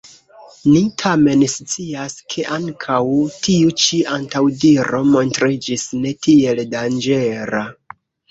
Ni tamen scias, ke ankaŭ tiu ĉi antaŭdiro montriĝis ne tiel danĝera.